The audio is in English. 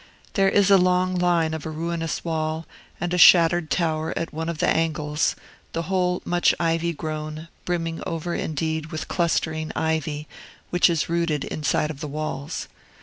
There is a long line of ruinous wall, and a shattered tower at one of the angles; the whole much ivy grown, brimming over, indeed, with clustering ivy, which is rooted inside of the walls.